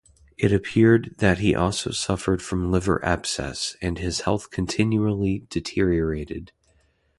It appeared that he also suffered from liver abscess, and his health continually deteriorated.